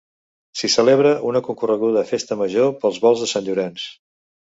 S'hi celebra una concorreguda festa major pels volts de Sant Llorenç.